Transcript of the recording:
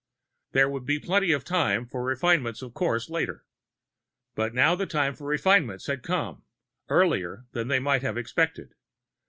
There would be plenty of time for refinements of course later. But now the time for refinements had come, earlier than they might have expected.